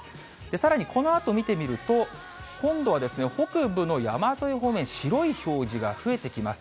さらにこのあと見てみると、今度は北部の山沿い方面、白い表示が増えてきます。